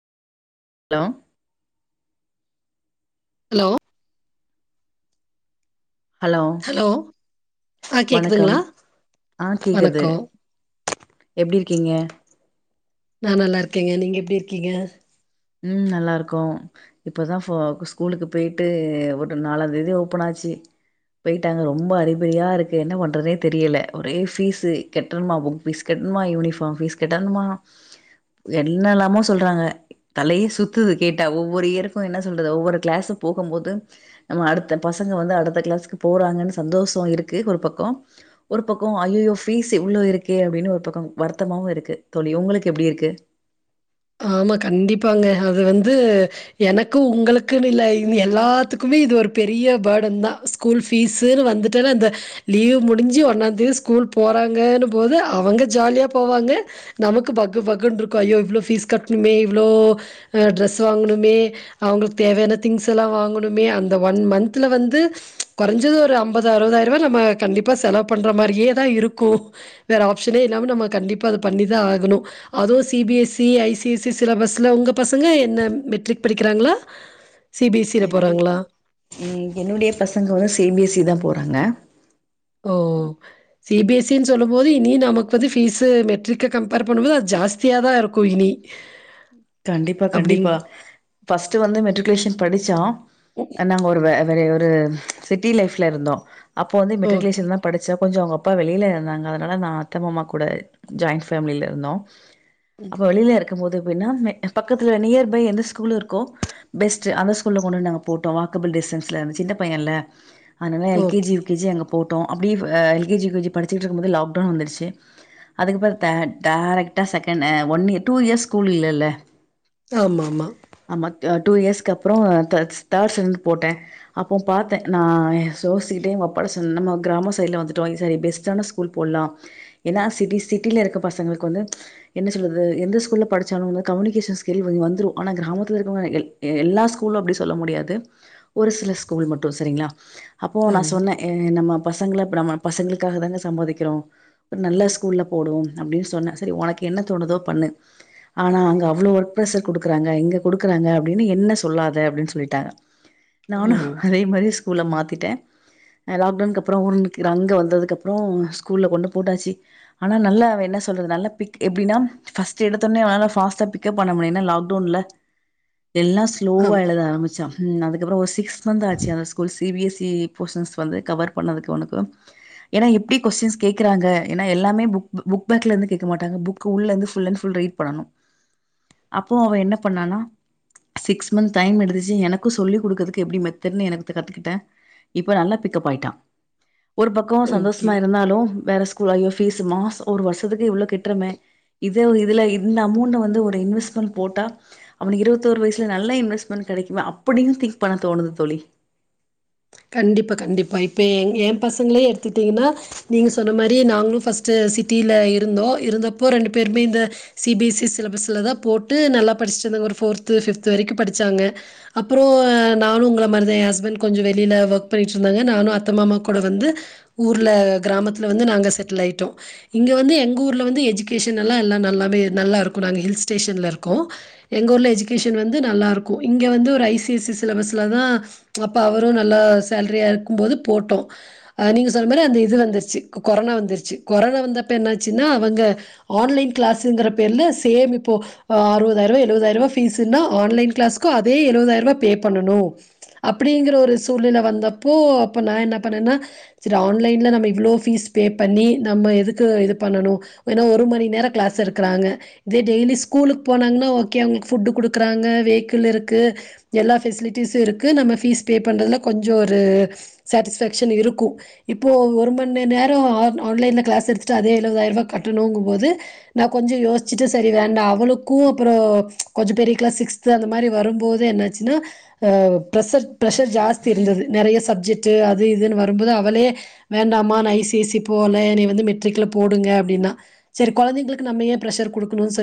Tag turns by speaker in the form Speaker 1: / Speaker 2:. Speaker 1: Hello
Speaker 2: hello hello ஆ
Speaker 1: வணக்கம்
Speaker 2: கேக்குதுங்களா
Speaker 1: ஆ கேக்குது
Speaker 2: வணக்கொ
Speaker 1: எப்டி இருக்கீங்க
Speaker 2: நா நல்லா இருக்கேங்க நீங்க எப்டி இருக்கீங்க
Speaker 1: ம் நல்லாருக்கோ இப்பதா ஃபோ ஸ்கூலுக்கு போயிட்டு ஒரு நாலாந் தேதி ஓபன் ஆச்சி பெயிட்டாங்க ரொம்ப அறிபறியா இருக்கு என்ன பண்றதுனே தெரியில ஒரே ஃபீஸ் கெட்டணுமா புக் பீஸ் கெட்டணுமா யூனிஃபார்ம் பீஸ் கெட்டணுமா என்னனாமோ சொல்றாங்க தலையே சுத்துது கேட்டா ஒவ்வொரு இயருக்கு என்ன சொல்றது ஒவ்வொரு கிளாஸும் போகும் போது நம்ம அடுத்த பசங்க வந்து அடுத்த கிளாஸுக்கு போறாங்கன்னு சந்தோஷொ இருக்கு ஒரு பக்கொ ஒரு பக்கம் ஐயையோ ஃபீஸ் இவ்ளோ இருக்கே அப்டினு ஒரு பக்கம் வருத்தமாவு இருக்கு தோழி உங்களுக்கு எப்டி இருக்கு
Speaker 2: ஆமா கண்டிப்பாங்க அது வந்து எனக்கு உங்களுக்குனு இல்ல எல்லாத்துக்குமே இது ஒரு பெரிய படன்தா ஸ்கூல் ஃபீஸுனு வந்துட்டாலே அந்த லீவு முடிஞ்சி ஒன்னாந்தேதி ஸ்கூல் போறாங்கனும்போது அவங்க ஜால்யா போவாங்க நமக்கு பக்கு பக்குனு இருக்கும் ஐயோ இவ்ளோ ஃபீஸ் கட் டுனுமே இவ்ளோ ம் ட்ரஸு வாங்கனுமே அவுங்களுக்கு தேவயான திங்க்ஸெலா வாங்கனுமே அந்த ஒன் மன்த்ல வந்து ப்ச் கொறஞ்சது ஒரு அம்பது அருவதாயிரூவா நாம கண்டிப்பா செலவு பன்ற மாரியேதா இருக்கும் வேற ஆப்ஷனே இல்லாம நம்ம கண்டிப்பா அத பன்னிதா ஆகனு அதுவு C B S E I CC சிலபஸில உங்க பசங்க என்ன மெட்ரிக் படிக்கிறாங்க
Speaker 1: ம் என்னுடைய பசங்க வந்து சி பி எஸ் சி தா போறாங்க
Speaker 2: ஓ சி பி எஸ் சி னு சொல்லு போது இனி நமக்கு வந்து ஃபீஸு மெட்ரிக்க கம்பார் பண்ணுபோது அது ஜாஸ்தியாதா இருக்கு இனி
Speaker 1: கண்டிப்பா
Speaker 2: அப்படிங்
Speaker 1: கண்டிப்பா ஃபஸ்டு வந்து மெட்ரிகுலேஷன் படிச்சா நாங்க ஒரு [unintelligible] ஒரு சிட்டி லைஃப்ல இருந்தோ அப்போ வந்து
Speaker 2: ஓகே,
Speaker 1: மெட்ரிகுலேஷன்தா படிச்சப் கொஞ்சொ அவுங்க அப்பா வெளில இருந்தாங்க அதனால நான் அத்த மாமா கூட ஜாய்ண்ட் ஃபேமிலில இருந்தோம். அப்ப வெளில இருக் முது வினாமே பக்கத்துல நியர்பை எந்த ஸ்கூலு இருக்கோ பெஸ்டு அந்த ஸ்கூல்ல கொன்டுன்டு நாங்க போட்டோ வாக்கபிள் டிஸ்டன்ஸ்ல இருந்துச்சி சின்ன பையன்ல அதனால L K G
Speaker 2: okay.
Speaker 1: U K G அங்க போட் ட்டோ அப்டி L K G U K G படிச்சிட்டு இருக்கு போதே லாக்டவுன் வந்துடுச்சி அதுக்கப்புறொ த டேரக்டா செகணு one year two years school இல்லல
Speaker 2: ஆமா ஆமா
Speaker 1: யா டூ இயர்ஸ்க்கு அப்றொ தேட்ஸ் தேட் ஸ்டாண்டர்ட் போட்டே அப்போ பாத்தே நான் சோசிக்கிட்டே ஒக்கப்பாட்ட சொன்னனா நம்ம கிராம சைடுல வந்துட்டோ [unintelligible] பெஸ்ட்டான ஸ்கூல் போட்லா ஏன்னா சிட்டி சிட்டில இருக்க பசங்களுக்கு வந்து என்ன சொல்றது எந்த ஸ்கூல படிச்சாலுவ அவுங்க கம்முனிகேஷ ஸ் ஸ்கில் வந் வந்துடும் ஆனா கிராமத்துல இருக்கவங்க எல் எ எல்லா ஸ்கூலும் அப்டி சொல்ல முடியாது ஒரு சில ஸ்கூல் மட்டு சரிங்களா அப்போ நா
Speaker 2: ஆமா.
Speaker 1: சொன்னேன் ஏ நம்ம பசங்கள இப்ப நாம பசங்களுக்காக தான சம்பாதிக்கிறோ ஒரு நல்ல ஸ்கூல்ல போடுவோ அப்டினு சொன்னே சரி உனக்கு என்ன தோணுதோ பண்ணு ஆனா அங்க அவ்ளோ ஒர்க் ப்ரஷர் குடுக்குறாங்க இங்க குடுக்குறாங்க அப்டின்னு என்ன சொல்லாத அப்டினு சொல்லிட்டாங்க நானு
Speaker 2: ம்.
Speaker 1: அதே மாரி ஸ் ஸ்கூல மாத்திட்டே அஹ் லாக்டவுன்கு அப்றோ ஒனுக்கு அங்க வந்ததுக்குப்புறம் ஸ்கூல்ல கொண்டு போட்டாச்சி ஆனா நல்லா அவ என்ன சொல்றது நல்ல பிக் எப்டினா ஃபஸ்ட் எடுத்தொன்னே அவன் நால்லா ஃபாஸ்ட்டா பிக் பிக்கப் பண்ண முடியு ஏன்னா லாக்டவுன்ல எல்லாம் ஸ்லோவா
Speaker 2: ஆமா.
Speaker 1: எழுத ஆரமிச்சான் ம் அதுக்கப்புறம் ஒரு சிக்ஸ் சோந்த ஆச்சி அந்த school C B S the portions வந்து கவர் பண்ணதுக்கு ஒனக்கு ஏன்னா எப்டி கொஸ்ட்டின்ஸ் கேக்குறாங்க ஏன்னா எல்லாமே புக்-புக் பாங்க்லேர்ந்து கேக்க மாட்டாங்க. புக்கு உள்ள இருந்து ஃபுல்லன்ட்ஃபுல் ரீட் பண்ணணும். அப்போ அவன் என்ன பண்ணான்னா சிக்ஸ் மந்த் டைம் எடுத்துச்சு எனக்கும் சொல்லிக் குடுக்குறதுக்கு எப்பிடி மெத்தட்ன்னு எனக்கு கத்துக்கிட்டேன் இப்ப நல்லா பிக்கப் ஆயிட்டான் ஒரு பக்கோ
Speaker 2: ஓகே.
Speaker 1: சந்தோஷமா இருந்தாலும் வேற school I F fees mass ஒரு வருஷத்துக்கு இவ்ளக் ட்றமே இத் இதே ஒரு இதுல இந்த அமௌண்ட்ட வந்து ஒர் இன்வெஸ்ட்மெண்ட் போட்டா அவனெ இருவத்தோரு வயசுல நல்ல இன்வெஸ்ட்மெண்ட் கெடைக்குமே அப்படின்னு திங்க் பண்ணத் தோணுது தோழி
Speaker 2: கண்டிப்பா கண்டிப்பா இப்போ எங் ஏன் பசங்களே எடுத்துட்டீங்கன்னா நீங்க சொன்ன மாரி நாங்களும் ஃபர்ஸ்ட்டு சிட்டியில இருந்தோம் இருந்தப்போ ரெண்டு பேருமே இந்த சி பி எஸ் சி சிலபஸ்ல தான் போட்டு நல்லா படிச்சிட்ருந்தாங்க ஒரு ஃபோர்த்து ஃபிப்து வரைக்கும் படிச்சாங்க அப்புறோ நானும் உங்கள மாரி தா என் ஹஸ்பண்ட் கொஞ்சம் வெள் ளியில வொர்க் பண்ணிட்டு இருந்தாங்க. நானும் அத்த மாமா கூட வந்து ஊர்ல கிராமத்துல வந்து நாங்க செட்டில் ஆய்ட்டோம். இங்க வந்து எங்க ஊர்ல வந்து எஜுகேஷன் நல்லா எல்லா நல்லாவே நல்லா இருக்கு நாங்க ஹில் ஸ்டேஷன்லே இருக்கோம். எங்க ஊர்ல எஜுகேஷன் வந்து நல்லா இருக்கும். இங்க வந்து ஒரு ஐ சி எஸ் ஈ சிலபஸ்ல தான் அப்ப அவர் வரு நல்ல சாலரியா இருக்கும் போது போட்டோ. அஹ் நீங்க சொல்ற மாரி அந்த இது வந்திர்ச்சு கொ கொரோனா வந்திர்ச்சு. கொரோனா வந்தப்ப என்னாச்சுன்னா அவங்க ஆன்லைன் க்ளாஸுங்குற பேர்ல சேம் இப்போ அறுவதாயிர் ரூவா எழுவதாயிர் ரூவா ஃபீஷுன்னா ஆன்லைன் க்ளாஸ்க்கும் அதே எழுவதாயிர் ரூவா பே பண்ணணு அப்பிடீங்கிற ஒரு சூழ்நில வந்தப்போ அப்போ நா என்ன பண்ணன்னா சரி ஆன்லைன்ல நம்ம இவ்ளோ ஃபீஸ் பே பண்ணி நம்ம எதுக்கு இது பண்ணணும் ஏன்னா ஒரு மணி நேரோ க்ளாஸ் எடுக்குறாங்க இதே டெய்லி ஸ்கூலுக்கு போனாங்கன்னா ஓகே அவங்களுக்கு ஃபுட்டு குடுக்குறாங்க வெஹிக்கில் இருக்கு எல்லா ஃபெஸிலிட்டீஸும் இருக்கு நம்ம ஃபீஸ் பே பண்றதுல கொஞ்சோ ஒரு சாட்டிஸ்ஃபாக்ஷன் இருக்கும். இப்போ ஒரு மணிநேர ஆன்லைன்ல க்ளாஸ் எடுத்துட்டு அதே எழுவதாயிர் ரூவா கட்டணுங்கும் போது நான் கொஞ்சோ யோசிச்சிட்டு சரி வேண்டா. அவளுக்கும் அப்றோம் கொஞ்சோ பெரிய க்ளாஸ் சிக்ஸ்த்துல அந்த மாரி வரும்போது என்னாச்சுன்னா ஆஹ் ப்ரஷெர் ப்ரெஷர் ஜாஸ்தி இருந்தது நெறைய சப்ஜெக்டு அது இதுன்னு வரும்போது அவளே வேண்டாம்மா நான் ஐ சி ஐ சி போகலே என்னைய வந்து மெட்ரிக்ல போடுங்க அப்படின்னா சரி கொழந்தைங்களுக்கு நம்ம ஏன் ப்ரெஷர் கொடுக்கணும்ன்னு சொல்